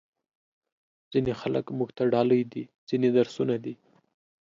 ځینې خلک موږ ته ډالۍ دي، ځینې درسونه دي.